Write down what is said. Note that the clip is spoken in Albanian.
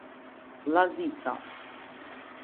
Llazica